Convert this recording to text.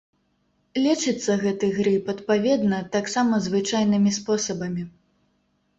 Лечыцца гэты грып, адпаведна, таксама звычайнымі спосабамі.